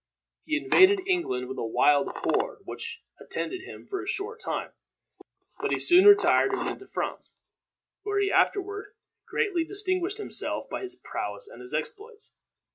He invaded England with a wild horde which attended him for a short time, but he soon retired and went to France, where he afterward greatly distinguished himself by his prowess and his exploits.